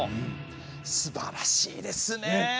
すばらしいですね！